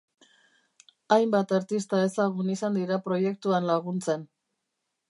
Hainbat artista ezagun izan dira proiektuan laguntzen.